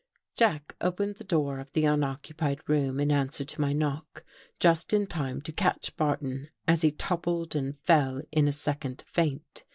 Jack opened the door of the unoccupied room in answer to my knock just In time to catch Barton as he toppled and fell In a second faint.